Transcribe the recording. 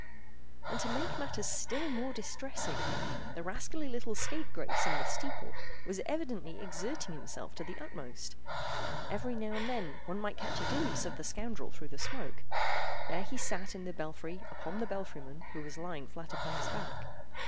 And to make matters still more distressing, the rascally little scape grace in the steeple was evidently exerting himself to the utmost. Every now and then one might catch a glimpse of the scoundrel through the smoke. There he sat in the belfry upon the belfry man, who was lying flat upon his back.